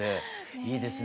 いいですね。